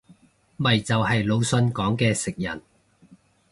咪就係魯迅講嘅食人